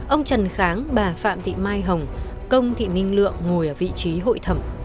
ông trần kháng bà phạm thị mai hồng công thị minh lượng ngồi ở vị trí hội thẩm